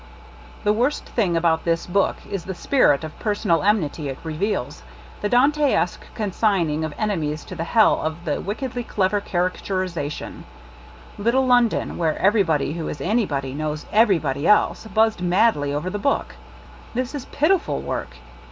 The worst thing about this book is the spirit of personal enmity it reveals ; the Dantesque consigning of enemies to the hell of a wickedly clever carica turization. Little London, where everybody who is anybody knows everybody else, buzzed madly over the book. This is pitiful work.